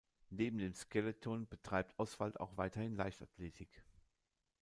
Neben dem Skeleton betreibt Oswald auch weiterhin Leichtathletik.